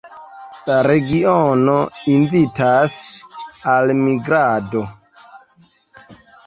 La regiono invitas al migrado.